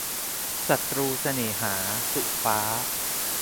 ศัตรูเสน่หา - สุฟ้า